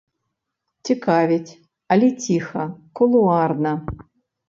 Цікавіць, але ціха, кулуарна.